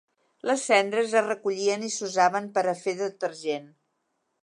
Les cendres es recollien i s'usaven per a fer detergent.